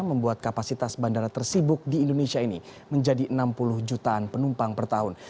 membuat kapasitas bandara tersibuk di indonesia ini menjadi enam puluh jutaan penumpang per tahun